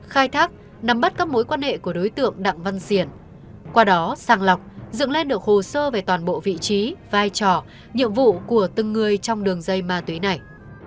khai thác nắm bắt các mối quan hệ của đối tượng đặng văn xiển qua đó sàng lọc dựng lên được hồ sơ về toàn bộ vị trí vai trò nhiệm vụ của từng người trong đường dây ma túy này